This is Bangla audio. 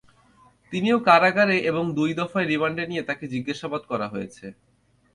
তিনিও কারাগারে এবং দুই দফায় রিমান্ডে নিয়ে তাঁকে জিজ্ঞাসাবাদ করা হয়েছে।